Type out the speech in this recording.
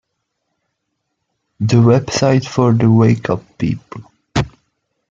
The website for the Wake up people!